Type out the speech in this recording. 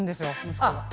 息子が。